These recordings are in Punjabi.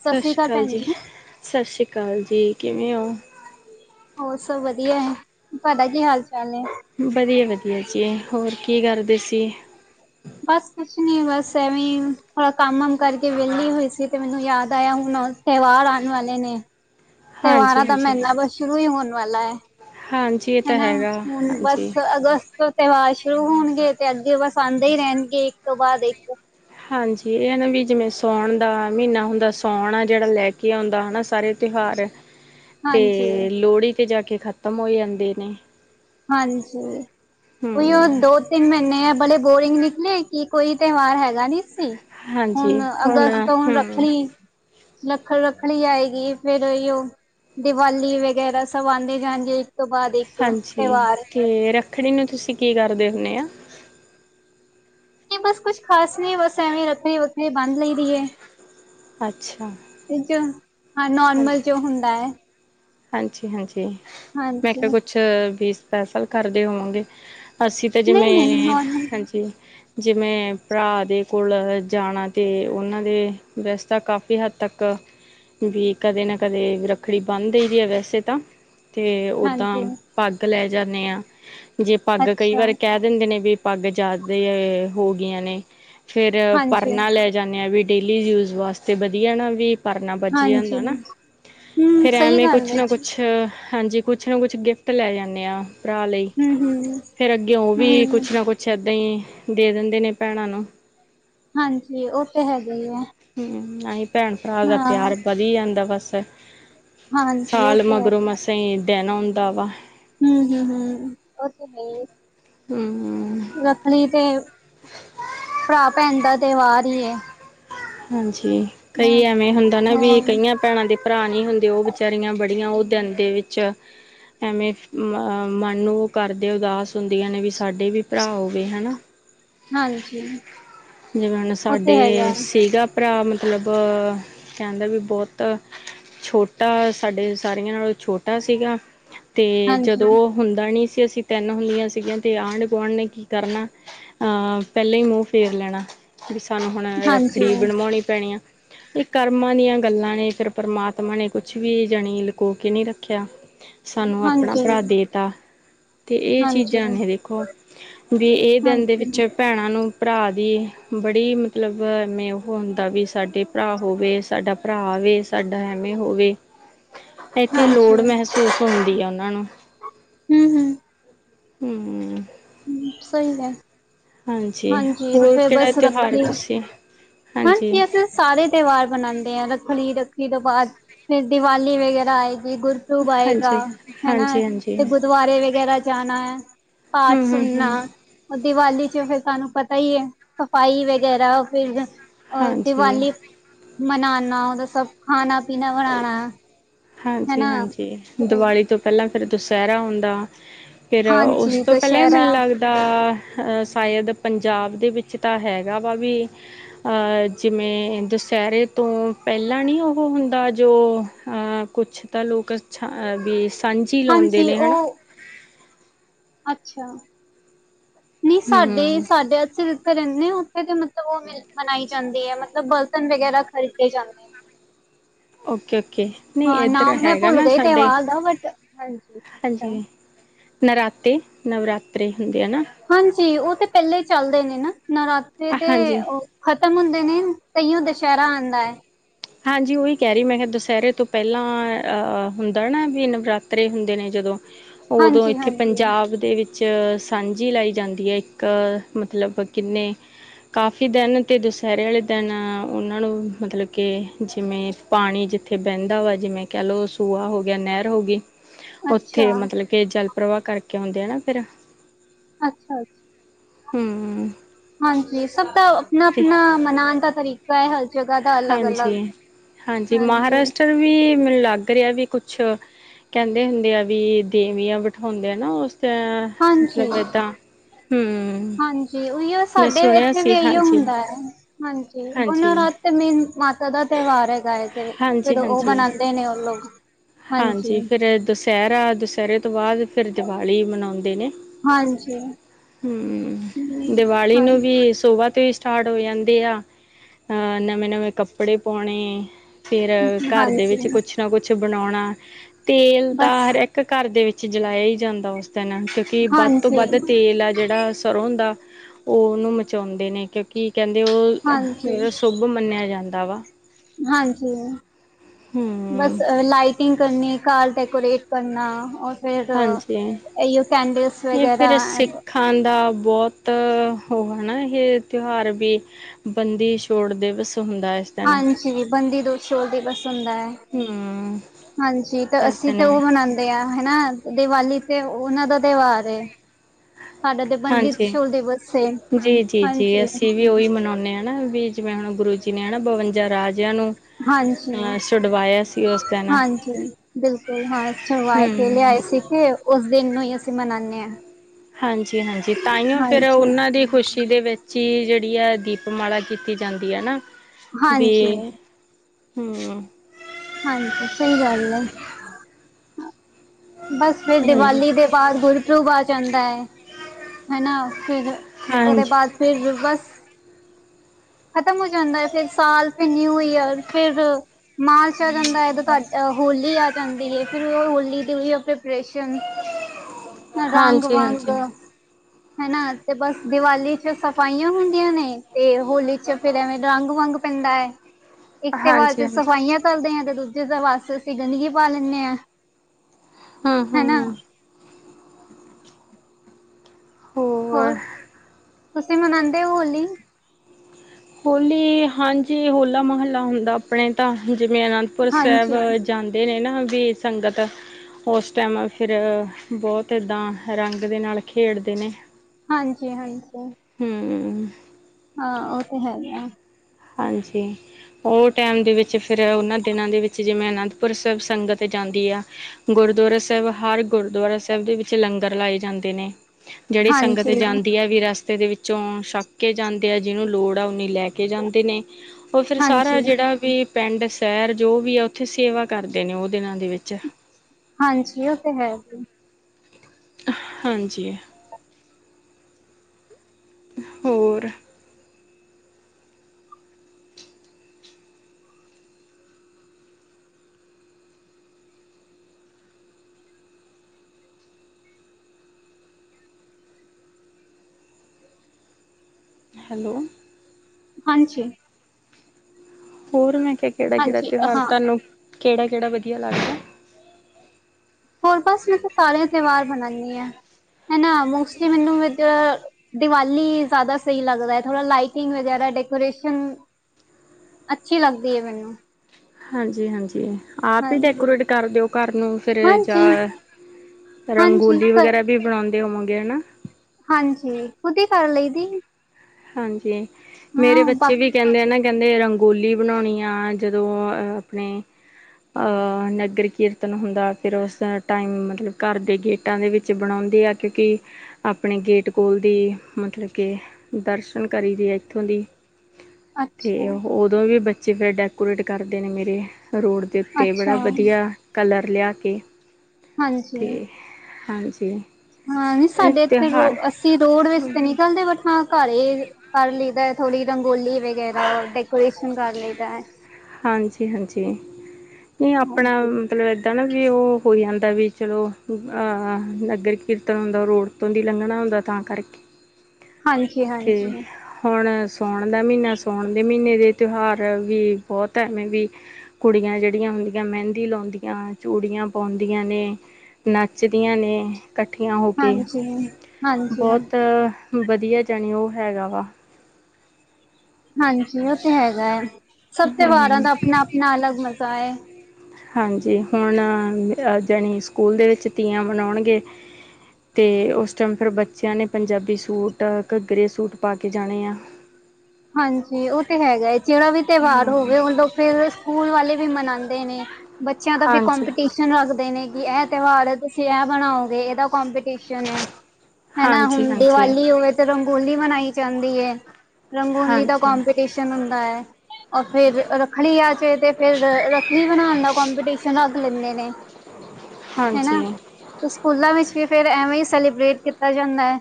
ਸਤਿ ਸ੍ਰੀ ਸਸ਼ੀ ਅਕਾਲ ਕਾਲ ਭੈਣ ਜੀ, ਸਸ਼ੀ ਕਾਲ ਜੀ, ਕਿਵੇਂ ਓ? ਹੋਰ ਸਭ ਵਧੀਆ ਏ, ਤੁਹਾਡਾ ਕੀ ਹਾਲ - ਚਾਲ ਏ? ਵਧੀਆ- ਵਧੀਆ ਜੀ, ਹੋਰ ਕੀ ਕਰਦੇ ਸੀ? ਬਸ ਕੁਛ ਨੀ, ਬਸ ਐਵੇਂ ਈ, ਥੋੜ੍ਹਾ ਕੰਮ ਵਮ ਕਰਕੇ ਵਿਹਲੀ ਹੋਈ ਸੀ ਤੇ ਮੈਨੂੰ ਯਾਦ ਆਇਆ ਹੁਨ ਤਿਉਵਾਰ ਆਣ ਵਾਲੇ ਨੇ, ਤਿਉਵਾਰਾ ਹਾਂਜੀ ਦਾ ਹਾਂਜੀ ਮੇਹਨਾ ਬਸ ਸ਼ੁਰੂ ਹੀ ਹੋਣ ਵਾਲਾ ਐ। ਹਾਂ ਹਨਾ ਹੁਣ ਬਸ ਅਗਸ ਤੇ ਤਿਉਹਾਰ ਸ਼ੁਰੂ ਹੋਣਗੇ ਤੇ ਅੱਗੇ ਬਸ ਆਂਦੇ ਈ ਰਹਿਣਗੇ ਇੱਕ ਤੋਂ ਬਾਅਦ ਇੱਕ ਹਾਂਜੀ ਇਹ ਨਾ ਵੀ ਜਿਵੇਂ ਸਾਉਣ ਦਾ ਮਹੀਨਾ ਹੁੰਦਾ ਸਾਉਣ ਆ ਜਿਹੜਾ ਲੈ ਕੇ ਆਉਂਦਾ ਹਨਾ ਸਾਰੇ ਤਿਉਹਾਰ। ਤੇ ਹਾਂਜੀ ਲੋਹੜੀ ਤੇ ਜਾ ਕੇ ਖ਼ਤਮ ਹੋ ਜਾਂਦੇ ਨੇ। ਹਾਂਜੀ, ਉਈ ਉਹ ਹਮ ਦੋ ਤਿੰਨ ਮਹੀਨੇ ਆ ਬਲੇ ਬੋਰਿੰਗ ਨੇ ਲੇ ਕਿ ਕੋਈ ਤਿਉਹਾਰ ਹੈਗਾ ਨੀ ਸੀ, ਹਾਂਜੀ ਹੁਣ ਅਗਸਤ ਹੁਣ ਹਮ ਰੱਖੜੀ ਰੱਖੜ ਰੱਖਣੀ ਆਏਗੀ ਫੇਰ ਉਹੀਓ, ਦੀਵਾਲੀ ਵਗੈਰਾ ਸਭ ਆਂਦੇ ਜਾਂਣਗੇ ਸਭ ਇੱਕ ਤੋਂ ਬਾਅਦ ਇੱਕ ਹਾਂਜੀ ਤਿਉਹਾਰ ਤੇ ਰੱਖੜੀ ਨੂੰ ਤੁਸੀਂ ਕੀ ਕਰਦੇ ਹੁਨੇ ਔ? ਬਸ ਕੁੱਛ ਖਾਸ ਨੀ ਬਸ ਐਵੇਂ ਰੱਖੜੀ ਵੱਖੜੀ ਬੰਦ ਲਈ ਦੀ ਏ। ਅੱਛਾ, ਤੇ ਜੋ, ਹਾਂ ਨੋਰਮਲ ਹਾਂਜੀ ਜੋ ਹੁੰਦਾ ਐ। ਹਾਂਜੀ ਹਾਂਜੀ, ਮੈਂ ਹਾਂਜੀ ਕਿਹਾ ਕੁਛ ਵੀ ਸਪੈਸ਼ਲ ਕਰਦੇ ਹੋਵੋਗੇ। ਅਸੀਂ ਤਾਂ ਨਹੀਂ ਨਹੀਂ ਜਿਵੇਂ ਨੋਰਮਲ ਹਾਂਜੀ। ਜਿਵੇਂ ਭਰਾ ਦੇ ਕੋਲ ਜਾਣਾ ਤਾਂ ਉਹਨਾਂ ਦੇ ਵੈਸੇ ਕਾਫ਼ੀ ਹੱਦ ਤੱਕ ਵੀ ਕਦੇ ਨਾ ਕਦੇ ਰੱਖੜੀ ਬੰਦ ਦੇਈ ਦੇ ਆ ਵੈਸੇ ਤਾਂ, ਤੇ ਹਾਂਜੀ ਪੱਗ ਲੈ ਜਾਨੇ ਆ। ਜੇ ਪੱਗ ਕਈ ਅੱਛਾ ਵਾਰ ਕਹਿ ਦਿੰਦੇ ਨੇ ਵੀ ਪੱਗ ਜ਼ਿਆਦੇ ਹੋ ਗਈਆਂ ਨੇ। ਫਿਰ ਹਾਂਜੀ ਪਰਨਾ ਲੈ ਜਾਨੇ ਆ ਵੀ ਯੂਜ ਵਧੀਆ ਨਾ ਵੀ ਪਰਨਾ ਬੱਜ ਹਾਂਜੀ ਜਾਂਦਾ ਨਾ, ਹਮ ਫੇਰ ਸਹੀ ਐਵੇਂ ਗੱਲ ਕੁਛ ਹੈ ਨਾ ਜੀ ਕੁਛ ਹਾਂਜੀ ਕੁਛ ਨਾ ਕੁਛ ਗਿਫਟ ਲੈ ਜਾਨੇ ਆ। ਭਰਾ ਲਈ, ਹਮ ਹਮ ਫੇਰ ਅੱਗੇ ਉਹ ਵੀ ਹਮ ਕੁਛ ਨਾ ਕੁਛ ਕੁਛ ਐਦਾਂ ਈ ਦੇ ਦਿੰਦੇ ਨੇ ਭੈਣਾਂ ਨੂੰ ਹਾਂਜੀ ਉਹ ਤਾਂ ਹੈਗਾ ਈ ਐ। ਹੂੰ ਆਹੀਂ ਭੈਣ ਭਰਾ ਦਾ ਪਿਆਰ ਵਧੀ ਜਾਂਦਾ ਬਸ ਹਾਂਜੀ ਉਹ ਸਾਲ ਤੇ ਹੈ ਮਗਰੋਂ ਮਸਾਂ ਈ ਦਿਨ ਆਉਂਦਾ ਵਾ। ਹੂੰ-ਹੂੰ-ਹੂੰ, ਓ ਤੇ ਹੈ ਈ। ਹੂੰ-ਹੂੰ, ਰੱਖੜੀ ਤੇ ਭਰਾ ਭੈਣ ਦਾ ਤਿਉਹਾਰ ਈ ਏ। ਹਾਂਜੀ, ਕਈ ਐਵੇਂ ਹੁੰਦਾ ਨਾ ਵੀ ਕਈਆਂ ਭੈਣਾਂ ਦੇ। ਭਰਾ ਨੀ ਹੁੰਦੇ ਉਹ ਵਿਚਾਰੀਆਂ ਬੜੀਆਂ ਉਹ ਦਿਨ ਦੇ ਵਿੱਚ ਐਵੇਂ ਅ ਮਨ ਨੂੰ ਉਹ ਕਰਦੇ ਉਦਾਸ ਹੁੰਦੀਆਂ ਨੇ ਵੀ ਸਾਡੇ ਵੀ ਭਰਾ ਹੋਵੇ ਹਨਾ। ਹਾਂਜੀ, ਉਹ ਤੇ ਹੈਗਾ ਐ। ਜੀਦਾ ਭਰਾ ਮਤਲਬ, ਕਹਿੰਦਾ ਵੀ ਬਹੁਤ ਛੋਟਾ ਸਾਡੇ ਸਾਰੀਆਂ ਨਾਲੋਂ ਛੋਟਾ ਸੀਗਾ, ਤੇ ਜਦੋਂ ਓ ਹਾਂਜੀ ਤੇ ਜਦੋਂ ਹੁੰਦਾ ਸੀ ਅਸੀਂ ਤਿੰਨ ਹੁੰਦੀਆਂ ਸੀਗੀਆਂ ਤੇ ਆਂਢ ਗੁਆਂਢ ਨੇ ਕੀ ਕਰਨਾ। ਅਹ ਪਹਿਲਾਂ ਹੀ ਮੂੰਹ ਫੇਰ ਲੈਣਾ, ਵੀ ਸਾਨੂੰ ਹੁਣ ਹਾਂਜੀ ਰੱਖੜੀ ਬਣਵਾਉਣੀ ਪੈਣੀ ਆ। ਇਹ ਕਰਮਾਂ ਦੀਆਂ ਗੱਲਾਂ ਨੇ ਫਿਰ ਪਰਮਾਤਮਾ ਨੇ ਕੁਛ ਵੀ ਜਾਣੀ ਲੁਕੋ ਕੇ ਨੀ ਰੱਖਿਆ। [inaudible] ਸਾਨੂੰ ਆਪਣਾ ਹਾਂਜੀ ਭਰਾ ਦੇਤਾ। ਤੇ ਇਹ ਹਾਂਜੀ ਚੀਜ਼ਾਂ ਨੇ ਦੇਖੋ, ਵੀ ਇਹ ਦਿਨ ਦੇ ਹਾਂਜੀ ਵਿੱਚ ਭੈਣਾਂ ਨੂੰ ਭਰਾ ਦੀ, ਬੜੀ ਮਤਲਬ ਆ ਐਵੇਂ ਹੁੰਦਾ ਵੀ ਸਾਡੇ ਭਰਾ ਹੋਵੇ ਸਾਡਾ ਭਰਾ ਆਵੇ ਸਾਡਾ ਐਵੇਂ ਹੋਵੇ ਇੱਥੇ ਲੋੜ ਹਾਂਜੀ ਮਹਿਸੂਸ ਹੁੰਦੀ ਐ ਉਹਨਾਂ ਨੂੰ ਹਮ -ਹਮ! ਹਮ। ਹਮ ਸਹੀ ਆ। ਹਾਂਜੀ ਤੇ ਹੋਰ ਫਿਰ ਕਿਹੜਾ ਬਸ ਤਿਉਹਾਰ ਰੱਖੀ ਲਉ, ਤੁਸੀਂ ਹਾਂਜੀ। ਸਾਰੇ ਤਿਊਵਾਰ ਮਨਾਦੇ ਆ, ਰੱਖੜੀ, ਰੱਖੜੀ ਤੋਂ ਬਾਅਦ ਫਿਰ ਦੀਵਾਲੀ ਵਗੈਰਾ ਆਏਗੀ ਗੁੜ ਪੁਰਬ ਆਏਂਗਾ ਹਾਂਜੀ ਹਨਾ, ਹਾਂਜੀ ਹਾਂਜੀ ਤੇ ਗੁਰਦੁਵਾਰੇ ਵਗੈਰਾ ਜਾਣਾ ਏ। ਪਾਠ ਹਮ ਸੁਣ ਹਮ ਨਾ ਹਮ ਦੀਵਾਲੀ 'ਚ ਫਿਰ ਤੁਹਾਨੂੰ ਪਤਾ ਈ ਏ, ਸਫ਼ਾਈ ਵਗੈਰਾ ਫਿਰ ਅ ਹਾਂਜੀ ਦੀਵਾਲੀ ਮਨਾਣਾ, ਉਹਦਾ ਸਭ ਖਾਣਾ ਪੀਣਾ ਬਨਾਣਾ। ਹਾਂਜੀ -ਹਾਂਜੀ, ਦੀਵਾਲੀ ਤੋਂ ਪਹਿਲਾਂ ਫਿਰ ਦੂਸਹਿਰਾ ਹੁੰਦਾ। ਫਿਰ ਉਸ ਹਾਂਜੀ ਤੋਂ ਪਹਿਲਾਂ ਈ ਦੁਸਹਿਰਾ ਮੈਨੂੰ ਲੱਗਦਾ ਦਾ ਸ਼ਾਇਦ ਪੰਜਾਬ ਦੇ ਵਿੱਚ ਤਾਂ ਹੈਗਾ ਵਾ ਵੀ ਅਹ, ਜਿਵੇਂ ਦੁਸਹਿਰੇ ਤੋਂ ਪਹਿਲਾਂ ਨੀ ਉਹੋ ਹੁੰਦਾ ਜੋ ਅਹ ਕੁਛ ਤਾਂ ਲੋਕ ਛ ਵੀ ਸਾਂਝੀ ਲਾਉਂਦੇ ਹਾਂਜੀ ਨੇ ਹਨਾ। ਉਹ ਅੱਛਾ, ਨਹੀ ਸਾਡੇ ਹੂੰ, -ਸਾਡੇ ਇੱਥੇ ਫਿਰ ਰਹਿੰਨੇ ਆ ਉਥੇ ਤੇ ਮਤਲਬ ਉਹ ਮਿਨ ਮਨਾਈ ਜਾਂਦੇ ਹੈ, ਮਤਲਬ ਬਰਤਨ ਵਗ਼ੈਰਾ ਖਰੀਦੇ ਜਾਂਦੇ। ਓਕੇ-ਓਕੇ [inaudible] ਨਹੀਂ ਹਾਂ ਇੱਧਰ ਨਾਮ ਮੈਂ ਹੈਗਾ ਭੁੱਲ ਨਾ ਗਈ ਸਾਡੇ ਤਿਉਹਾਰ ਦਾ ਬਟ, ਹਾਂਜੀ ਅੱਛਾ। ਹਾਂਜੀ ਨਰਾਤੇ ਨਵਰਾਤਰੇ ਹੁੰਦੇ ਹੈ ਨਾ। ਹਾਂਜੀ, ਉਹ ਤੇ ਪਹਿਲੇ ਹੀ ਚੱਲਦੇ ਨੇ ਨਾ ਨਰਾਤੇ ਤੇ ਹਾਂਜੀ। ਉਹ ਖਤਮ ਹੁੰਦੇ ਨੇ, ਤਈਉ ਦੁਸਹਿਰਾ ਆਉਂਦਾ ਏ। ਹਾਂਜੀ, ਉਹੀ ਕਹਿ ਰਹੀ ਮੈਂ ਕਿਹਾ ਦੁਸਹਿਰੇ ਤੋਂ ਪਹਿਲਾਂ ਅ ਅ ਹੁੰਦਾ ਨਾ ਵੀ ਨਵਰਾਤ ਤਰੇ ਹੁੰਦੇ ਨੇ, ਜਦੋਂ ਉਦੋਂ ਹਾਂਜੀ ਇੱਥੇ ਹਾਂਜੀ ਪੰਜਾਬ ਦੇ ਵਿੱਚ 'ਚ ਸਾਂਝੀ ਲਾਈ ਜਾਂਦੀ ਹੈ ਇੱਕ ਮਤਲਬ ਕਿੰਨੇ ਕਾਫੀ ਦਿਨ ਤੇ ਦੁਸਹਿਰੇ ਆਲੇ ਦਿਨ ਉਹਨਾਂ ਨੂੰ ਮਤਲਬ ਕਿ ਜਿਵੇਂ ਪਾਣੀ ਜਿੱਥੇ ਬਹਿੰਦਾ ਵਾ, ਜਿਵੇਂ ਕਹਿ ਲਉ ਸੂਆ ਹੋ ਗਿਆ, ਨਹਿਰ ਹੋ ਗਈ। ਅੱਛਾ ਉੱਥੇ ਮਤਲਬ ਕਿ ਜਲ ਪ੍ਰਵਾਹ ਕਰਕੇ ਆਉਂਦੇ ਆ ਨਾ ਫਿਰ। ਅੱਛਾ -ਅੱਛਾ! ਹਮ। ਹਾਂਜੀ, ਸਭ ਕਾ ਆਪਣਾ- ਤੇ ਆਪਣਾ ਮਨਾਣ ਦਾ ਤਰੀਕਾ ਏ ਹਾ ਹਾਂਜੀ -ਹਾਂਜੀ, ਹਾਂਜੀ ਮਹਾਰਾਸ਼ਟਰ ਵੀ ਮੈਨੂੰ ਲੱਗ ਰਿਹਾ ਵੀ ਕੁਛ ਕਹਿੰਦੇ ਹੁੰਦੇ ਆ ਵੀ ਦੇਵੀਆਂ ਬਿਠਾਉਂਦੇ ਆ ਨਾ ਉਸ ਤੇ ਹਾਂਜੀ ਮਤਲਬ ਏਦਾਂ ਹਮ ਹਾਂਜੀ, ਉਹੀਓ ਮੈਂ ਸਾਡੇ ਸੁਣਿਆ ਇੱਥੇ ਵੀ ਸੀ ਇਹੀਓ ਹਾਂਜੀ ਹੁੰਦਾ ਹੈ। ਹਾਂਜੀ, ਉਹ ਹਾਂਜੀ ਨਰਾਤੇ ਮੀਨਜ ਮਾਤਾ ਦਾ ਤਿਉਹਾਰ ਏ ਏ, ਹਾਂਜੀ ਫਿਰ ਉਹ ਹਾਂਜੀ ਬਨਾਂਦੇ ਨੇ ਉਹ ਲੋਕ ਹਾਂਜੀ। ਦੁਸਹਿਰਾ, ਦੁਸਹਿਰੇ ਤੋ ਬਾਅਦ ਫਿਰ ਦੀਵਾਲੀ ਮਨਾਉਂਦੇ ਨੇ। ਹਾਂਜੀ ਹਮਮ, ਦੀਵਾਲੀ ਹਾਂ ਨੂੰ ਵੀ ਇਹ ਸੋਬਾ ਤੇ ਸਟਾਰਟ ਹੋ ਜਾਂਦੇ ਆ। ਅ ਨਵੇਂ ਨਵੇਂ ਕੱਪੜੇ ਪਾਉਣੇ ਫਿਰ ਘਰ ਦੇ ਵਿੱਚ ਹਾਂਜੀ ਕੁਛ ਨਾ ਕੁਛ ਬਣਾਉਣਾ, ਤੇਲ ਤਾਂ ਬਸ ਹਰੇ ਕ ਘਰ ਦੇ ਵਿੱਚ ਜਲਾਇਆ ਹੀ ਜਾਂਦਾ ਉਸ ਦਿਨ, ਕਿਉਂਕਿ ਵੱਧ ਤੋਂ ਹਾਂਜੀ ਵੱਧ ਤੇਲ ਆ ਜਿਹੜਾ ਸਰ੍ਹੋਂ ਦਾ ਉਹ ਉਹਨੂੰ ਮਚਾਉਂਦੇ ਨੇ, ਕਿਉਂਕਿ ਕਹਿੰਦੇ ਉਹ ਜੇਰਾ ਹਾਂਜੀ ਸੁਭ ਮੰਨਿਆ ਜਾਂਦਾ ਵਾ। ਹਾਂਜੀ। ਹੂੰ। ਬਸ ਲਾਈਟਿੰਗ ਕਰਨੀ, ਘਰ ਡੈਕੋਰੇਟ ਕਰਨਾ ਰ ਫਿਰ ਹਾਂਜੀ ਅਇਓ ਕੈੈਂਡੀਸ ਵਗੈਰਾ ਖਣ ਦਾ ਬੋਤ ਓ ਹਨਾ ਇਹ ਤਿਉਹਾਰ ਵੀ ਬੰਦੀ ਛੋੜ ਦਿਵਸ ਹੁੰਦਾ ਐ। ਹਾਂਜੀ ਦੋ ਬੰਦੀ ਛੋੜ ਦਿਵਸ ਹੁੰਦਾ ਐ। ਹੂੰ ਹਾਂਜੀ ਤਾਂ ਇਸ ਅਸੀਂ ਦਿਨ ਤੇ ਓ ਮਨਾ ਦੇ ਆ ਹਨਾ ਦੀਵਾਲੀ 'ਤੇ ਉਨਾਂ ਦਾ ਤਿਉਹਾਰ ਏ। ਸਾਡਾ ਤੇ ਬੰਦਿਤ ਹਾਂਜੀ, ਛੋਲ ਦਿਵਸ ਏ ਜੀ-ਜੀ-ਜੀ ਹਾਂਜੀ ਅਸੀਂ ਵੀ ਉਈ ਮਨਾਉਣੇ ਆ ਨਾ ਵੀ ਜਿਵੇਂ ਹੁਣ ਗੁਰੂ ਜੀ ਨੇ ਹਨਾਂ ਬਵੰਜਾ ਰਾਜਿਆਂ ਨੂੰ, ਹਾਂਜੀ ਅ ਛੁਡਵਾਇਆ ਸੀ ਉਸ ਦਿਨ ਹਾਂਜੀ ਬਿਲਕੁੱਲ ਹਾਂ ਛੁੜਵਾ ਕੇ ਹੂੰ। ਲਿਆਏ ਸੀਗੇ। ਉਸ ਦਿਨ ਨੂੰ ਈ ਅਸੀਂ ਮਨਾਣੇ ਆ। ਹਾਂਜੀ-ਹਾਂਜੀ ਤਾਂਈਓ ਫਿਰ ਉਨਾਂ ਦੀ ਖੁਸ਼ੀ ਦੇ ਵਿੱ ਚੀ ਜੇੜੀ ਐ ਦੀਪਮਾਲਾ ਕੀਤੀ ਜਾਂਦੀ ਐ ਨਾ, ਵੀ ਹਾਂਜੀ ਹੂੰ। ਹਾਂਜੀ ਸਈ ਗੱਲ ਐ। ਬਸ ਫਿਰ ਹਾਂਜੀ, ਹਾਂਜੀ, ਦੀਵਾਲੀ ਦੇ ਬਾਅਦ ਗੁਰਪਰੁਬ ਆ ਜਾਂਦਾ ਐ, ਹਨਾ ਫਿਰ ਉਦੇ ਹਾਂਜੀ, ਬਾਅਦ ਫਿਰ ਬਸ ਖ਼ਤਮ ਹੋ ਜਾਂਦਾ ਐ ਫਿਰ ਸਾਲ ਫਿਰ ਨਿਊ ਈਅਰ ਫਿਰ ਮਾਰਚ ਆ ਜਾਂਦਾ ਐ ਤਾਡ ਹੋਲੀ ਆ ਜਾਂਦੀ ਏ ਫੇਰ ਹੋਲੀ ਪ੍ਰਪਰੇਸ਼ਨ, ਰੰਗ ਵੰਗ। ਹਾਂਜੀ। ਹੈਨਾ 'ਤੇ ਬਸ ਦੀਵਾਲੀ 'ਚ ਸਫ਼ਾਈਆਂ ਹੁੰਦੀਆਂ ਨੇ ਤੇ ਹੋਲੀ 'ਚ ਫੇਰ ਐਵੇਂ ਰੰਗ ਵੰਗ ਪੈਂਦਾ ਐ, ਇੱਕ ਤਿਉਹਾਰ 'ਚ ਹਾਂਜੀ-ਹਾਂਜੀ ਸਫਾਈਆਂ ਚੱਲਦੇ ਆ 'ਤੇ ਦੂਜੇ ਵਸ ਅਸੀਂ ਗੰਦਗੀ ਪਾ ਲੈਂਨੇ ਆ। ਹੂੰ-ਹੂੰ। ਹੋਰ, ਤੁਸੀਂ ਮਨਾਂਦੇ ਹੋਲੀ? ਹੋਲੀ ਹਾਂਜੀ ਹੋਲਾ ਮਹੱਲਾ ਹੁੰਦਾ ਆਪਣੇ ਤਾਂ ਜਿਵੇਂ ਅਨੰਦਪੁਰ ਸੇਅਬ ਹਾਂਜੀ ਜਾਂ ਦੇ ਨੇ ਨਾ ਵੀ ਸੰਗਤ ਉਸ ਟਾਈਮ ਫਿਰ ਬੋਤ ਏਦਾਂ ਰੰਗ ਦੇ ਨਾਲ ਖੇਡਦੇ ਨੇ। ਹਾਂਜੀ-ਹਾਂਜੀ। ਹੂੰ। ਹਾਂ ਓ 'ਤੇ ਹੈਗੀ ਆ। ਹਾਂਜੀ। ਓ ਟਾਈਮ ਦੇ ਵਿੱਚ ਫਿਰ ਉਨਾਂ ਦਿਨਾਂ ਦੇ ਵਿੱਚ ਜਿਵੇਂ ਅਨੰਦਪੁਰ ਸੇਅਬ ਸੰਗਤ ਜਾਂਦੀ ਆ। ਗੁਰਦੁਆਰਾ ਸੇਅਬ ਹਰ ਗੁਰਦੁਵਾਰਾ ਸੇਅਬ ਦੇ ਵਿੱਚ ਲੰਗਰ ਲਾਏ ਜਾਂਦੇ ਨੇ। ਜੇੜੀ ਸੰਗਤ ਹਾਂਜੀ ਜਾਂਦੀ ਆ ਵੀ ਰਸਤੇ ਦੇ ਵਿੱਚੋਂ ਛੱਕ ਕੇ ਜਾਂਦੇ ਆ ਜਿਨੂੰ ਲੋੜ ਆ ਉਨੀ ਲੈ ਕੇ 'ਤੇ ਨੇ ਓ ਫਿਰ ਸਾਰਾ ਹਾਂਜੀ ਜੇੜਾ ਵੀ ਪਿੰਡ, ਸੈਰ ਜੋ ਵੀ ਆ ਉੱਥੇ ਸੇਵਾ ਕਰਦੇ ਨੇ ਓ ਦਿਨਾਂ ਦੇ ਵਿੱਚ। ਹਾਂਜੀ ਓ 'ਤੇ ਹੈ ਵੇ। ਹਾਂਜੀ। ਹੋਰ। ਹੈਲੋ ਹਾਂਜੀ। ਹੋਰ ਮੈਂ ਕੇਆ ਕੇੜਾ-ਕੇੜਾ ਹਾਂਜੀ ਤਿਉਹਾਰ ਹਾਂ ਤਾਨੂੰ ਕੇੜਾ-ਕੇੜਾ ਵਧੀਆ ਲੱਗਦਾ? ਹੋਰ ਬਸ ਮੈਂ ਤਾਂ ਸਾਰੇ ਤਿਉਹਾਰ ਮਨਾਣੀ ਆ, ਮੈਂ ਨਾ ਮੋਸਟਲੀ ਮੈਨੂੰ ਏਧਰ ਦੀਵਾਲੀ ਜਿਆਦਾ ਸਈ ਲੱਗਦੈ ਥੋੜਾ ਲਾਈਟਿੰਗ ਵਗੈਰਾ, ਡੈਕੋਰੇਸ਼ਨ ਅੱਛੀ ਲੱਗਦੀ ਏ ਮੈਨੂੰ। ਹਾਂਜੀ-ਹਾਂਜੀ। ਆਪ ਈ ਹਾਂਜੀ ਡੈਕੋਰੇਟ ਕਰਦੇ ਓ ਘਰ ਨੂੰ ਫਿਰ ਹਾਂਜੀ ਜਾਂ ਹਾਂਜੀ ਰੰਗੋਲੀ ਕ ਵਗੈਰਾ ਵੀ ਬਣਾਉਂਦੇ ਹੋਵਾਂਗੇ ਹਨਾ। ਹਾਂਜੀ, ਖੁਦ ਈ ਕਰ ਲਈ ਦੀ। ਹਾਂਜੀ, ਹਾਂ ਮੇਰੇ ਬੱਚੇ ਵੀ ਬਾਕੀ ਕਹਿੰਦੇ ਆ ਨਾ ਕਹਿੰਦੇ ਰੰਗੋਲੀ ਬਣਾਉਣੀ ਆ ਜਦੋਂ ਅਹ ਆਪਣੇ ਅਹ ਨਗਰ ਕੀਰਤਨ ਹੁੰਦਾ ਫਿਰ ਉਸ ਟਾਈਮ ਮਤਲਬ ਘਰ ਦੇ ਗੇ ਗੇਟਾਂ ਦੇ ਵਿੱਚ ਬਣਾਉਂਦੇ ਆ, ਕਿਉਂਕਿ ਆਪਣੇ ਗੇਟ ਕੋੋਲ ਦੀ ਮਤਲਬ ਕਿ ਦਰਸ਼ਨ ਕਰੀ ਦੇ ਇੱਥੋਂ ਦੀ, ਤੇ ਅੱਛਾ ਓ ਉਦੋਂ ਵੀ ਬੱਚੇ ਫੇਰ ਡੈਕੋਰੇਟ ਕਰਦੇ ਨੇ ਗੇ, ਮੇਰੇ ਰੋਡ ਦੇ ਉਤੇ ਬੜਾ ਅੱਛਾ ਵਧੀਆ। ਕਲਰ ਲਿਆ ਕੇ, ਹਾਂਜੀ ਤੇ ਹਾਂਜੀ। ਹਾਂ ਨੀ ਇਹ ਸਾਡੇ ਇੱਥੇ ਰੋ ਤਿਉਹਾਰ ਅਸੀਂ ਰੋਡ ਵਿੱਚ ਤੇ ਨਿਕਲਦੇ ਬਟ ਹਾਂ ਘਰ ਈ ਕਰ ਲਈਦਾ ਐ, ਥੋੜ੍ਹੀ ਰੰਗੋਲੀ ਵਗੈਰਾ ਔਰ ਡੈਕੋਰੇਸ਼ਨ ਕਰ ਲਈਦਾ ਐ। ਹਾਂਜੀ-ਹਾਂਜੀ, ਨਈ ਆਪਣਾ ਹਾਂਜੀ ਮਤਲਬ ਤਾ ਨਾ ਵੀ ਉਹ ਹੋ ਜਾਂਦਾ ਵੀ ਚਲੋ ਨਗਰ ਕੀਰਤਨ ਹੁੰਦਾ ਰੋਡ ਲੰਘਣਾ ਹੁੰਦਾ ਤਾਂ ਕਰਕੇ। ਤੇ ਹਾਂਜੀ-ਹਾਂਜੀ। ਹੁਣ ਸਾਉਣ ਦਾ ਮਹੀਨਾ ਸਾਉਣ ਦੇ ਮਹੀਨੇ ਦੇ ਤਿਉਹਾਰ ਵੀ ਬੋਤ ਐਵੇਂ ਵੀ ਕੁੜੀਆਂ ਜਿਹੜੀਆਂ ਹੁੰਦੀਆਂ ਮਹਿੰਦੀਂ ਲਾਉਂਦੀਆਂ, ਚੂੜੀਆਂ ਪਾਉਂਦੀਆਂ ਨੇ ਨੱਚਦੀਆਂ ਨੇ ਕੱਠੀਆਂ ਹੋ ਕੇ ਹਾਂਜੀ ਹਾਂਜੀ ਬੋਤ ਵਧੀਆ ਜਾਣੀ ਉਹ ਹੈਗਾ ਵਾ। ਹਾਂਜੀ ਉਹ ਤੇ ਹੈਗਾ ਐ, ਸਭ ਤਿਉਹਾਰਾਂ ਹਮ ਦਾ ਆਪਣਾ-ਆਪਣਾ ਅਲੱਗ ਮਜ਼ਾ ਐ। ਹਾਂਜੀ ਹੁਣ ਜਾਣੀ ਸਕੂਲ ਦੇ ਵਿੱਚ ਤੀਆਂ ਮਨਾਉਣਗੇ। ਤੇ ਉਸ ਟਾਈਮ ਫਿਰ ਬੱਚਿਆਂ ਨੇ ਪੰਜਾਬੀ ਸੂਟ, ਘੱਗਰੇ ਸੂਟ ਪਾ ਕੇ ਜਾਣੇ ਆ। ਹਾਂਜੀ ਉਹ ਤੇ ਹੈਗਾ ਐ, ਜਿਹੜਾ ਵੀ ਤਿਉਹਾਰ ਹਮ ਹੋਵੇ ਉਦੋਂ ਫਿਰ ਸਕੂਲ ਵਾਲੇ ਵੀ ਮਨਾਦੇ ਨੇ ਬੱਚਿਆਂ ਦਾ ਵੀ ਹਾਂਜੀ ਕੋਂਪੀ ਰੱਖਦੇ ਨੇ ਕਿ ਇਹ ਤਿਉਹਾਰ ਤੁਸੀਂ ਇਹ ਬਣਾਓਗੇ ਇਹਦਾ ਕੋਂਪੀ ਸਨ ਐ, ਹਨਾ ਹਾਂਜੀ ਹੁਣ ਹਾਂਜੀ ਦੀਵਾਲੀ ਹੋਵੇ ਤੇ ਰੰਗੋਲੀ ਬਨਾਈ ਜਾਂਦੀ ਐ। ਰੰਗੋਲੀ ਦਾ ਹਾਂਜੀ ਕਪੀਟੀਸ਼ਨ ਹੁੰਦਾ ਐ। ਫੇਰ ਰੱਖੜੀ ਆਜੇ ਤੇ ਫ਼ਿਰ ਰੱਖੜੀ ਬਣਾਉਣ ਦਾ ਕੰਪੀਟੀਸ਼ਨ ਰੱਖ ਲੈਂਦੇ ਨੇ। ਹਨਾ, ਹਾਂਜੀ ਤੇ ਸਕੂਲਾਂ ਵਿੱਚ ਵੀ ਫੇਰ ਐਵੇਂ ਈ ਸੈਲੀਬ੍ਰੇਟ ਕੀਤਾ ਜਾਂਦਾ ਐ।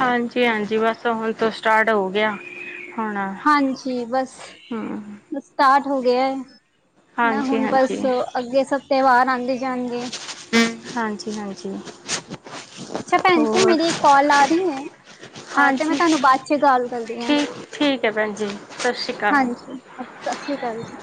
ਹਾਂਜੀ-ਹਾਂਜੀ ਬਸ ਹੁਣ ਤੋਂ ਸਟਾਰਟ ਹੋ ਗਿਆ। ਹੁਣ ਹਾਂਜੀ ਬਸ, ਹਮ ਸਟਾਰਟ ਹੋ ਗਿਆ ਐ। ਨਾ ਹਾਂਜੀ ਹੁਣ ਬਸ ਹਾਂਜੀ ਅੱਗੇ ਸਭ ਤਿਉਹਾਰ ਆਉਂਦੇ ਜਾਣਗੇ। ਹਾਂਜੀ-ਹਾਂਜੀ। ਅੱਛਾ ਭੈਣ ਜੀ ਮੇਰੀ ਇੱਕ ਕਾਲ ਆ ਰੀ ਐ। ਹਾਂਜੀ ਮੈਂ ਤੁਹਾਨੂੰ ਬਾਅਦ ਚ ਕਾਲ ਕਰਦੀ ਆ, ਠੀਕ ਠੀਕ ਹੈ ਭੈਣ ਜੀ ਸਤਿ ਸ਼੍ਰੀ ਅਕਾਲ ਹਾਂਜੀ। ਸਤਿ ਸ਼੍ਰੀ ਅਕਾਲ ਜੀ।